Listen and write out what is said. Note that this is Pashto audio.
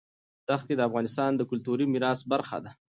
دښتې د افغانستان د کلتوري میراث برخه ده.